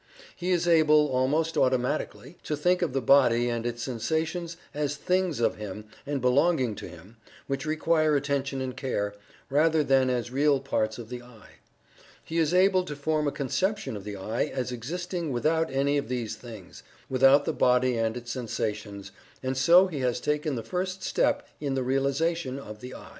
He is able, almost automatically, to think of the body and its sensations as things of him, and belonging to him, which require attention and care, rather than as real parts of the "I." He is able to form a conception of the "I" as existing without any of these things without the body and its sensations and so he has taken the first step in the realization of the "I."